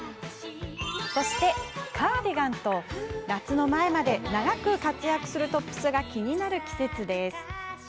そして、カーディガンと夏前まで長く活躍するトップスが気になる季節です。